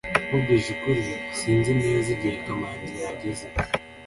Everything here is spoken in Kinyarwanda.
nkubwije ukuri, sinzi neza igihe kamanzi yahageze